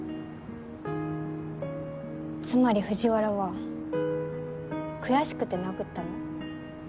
つまり藤原は悔しくて殴ったの？